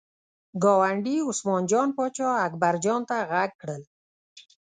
ګاونډي عثمان جان پاچا اکبر جان ته غږ کړل.